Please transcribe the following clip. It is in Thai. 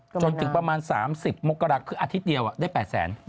จนถึงประมาณ๓๐มกราคคืออาทิตย์เดียวได้๘แสน